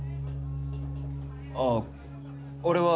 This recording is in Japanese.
あぁ俺は。